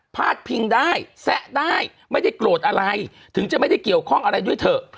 ดพิงได้แซะได้ไม่ได้โกรธอะไรถึงจะไม่ได้เกี่ยวข้องอะไรด้วยเถอะ